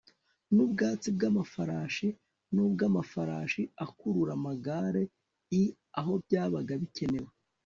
n ubwatsi bw amafarashi n ubw amafarashi akurura amagare i aho byabaga bikenewe